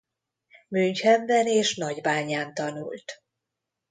Münchenben és Nagybányán tanult.